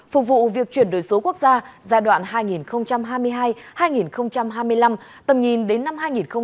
phục vụ việc chuyển đổi số quốc gia giai đoạn hai nghìn hai mươi hai hai nghìn hai mươi năm tầm nhìn đến năm hai nghìn ba mươi